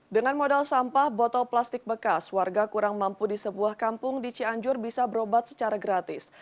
dengan modal sampah botol plastik bekas warga kurang mampu di sebuah kampung di cianjur bisa berobat secara gratis